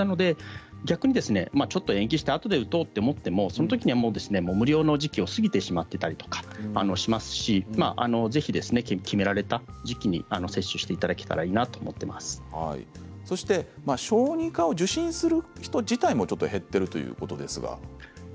逆にちょっと延期してあとで打とうと思ってもそのときにはもう無料の時期を過ぎてしまっていたりもしますしぜひ決められた時期に接種していただけたらいいなと小児科を受診する人自体も減っているということですが。